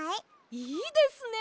いいですねえ！